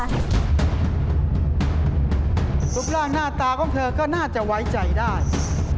ทุกร่างหน้าตาก็เผลอก็น่าจะไว้ใจได้